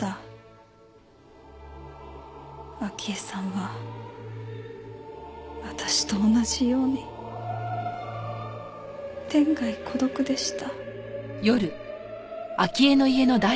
明江さんは私と同じように天涯孤独でした。